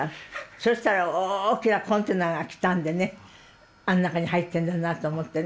そしたら大きなコンテナが来たんでねあの中に入ってるんだなと思ってね。